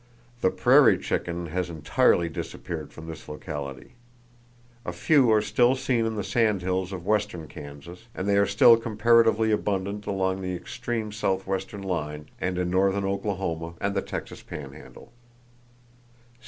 The prairie chicken has entirely disappeared from this locality. A few are still seen in the sand hills of western Kansas, and they are still comparatively abundant along the extreme southwestern line, and in northern Oklahoma and the Texas panhandle.